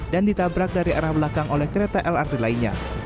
dan ditabrak dari arah belakang oleh kereta lrt lainnya